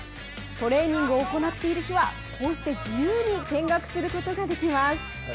トレーニングを行っている日は、こうして自由に見学することができます。